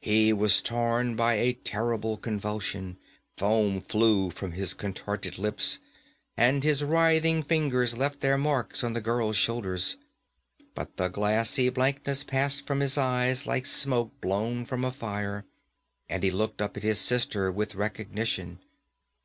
He was torn by a terrible convulsion; foam flew from his contorted lips and his writhing fingers left their marks on the girl's shoulders. But the glassy blankness passed from his eyes like smoke blown from a fire, and he looked up at his sister with recognition.